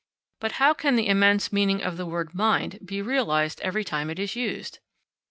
But how can the immense meaning of the word "mind" be realised every time that it is used?